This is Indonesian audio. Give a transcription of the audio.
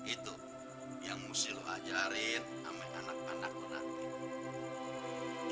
itu yang mesti lo ajarin sama anak anakku nanti